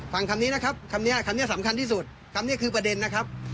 คำนี้นะครับคำนี้คำนี้สำคัญที่สุดคำนี้คือประเด็นนะครับ